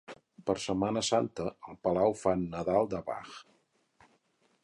Per Setmana Santa, al Palau fan Nadal de Bach.